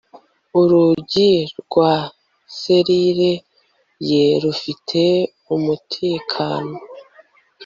Urugi rwa selire ye rufite umutekano